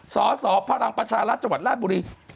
สพลรภรรย์ประชาลัศน์จลาดบุรี